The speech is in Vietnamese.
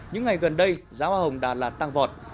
những ngày gần đây giá hoa hồng đạt là tăng vọt